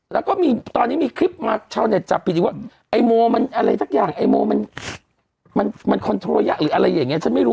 แล้วก็มีตอนนี้มีคลิปมาเช้าในจับปิดอยู่ว่าไอโมมันอะไรตักอย่างไอโมมันมันคอนโทรลยากหรืออะไรอย่างเงี้ย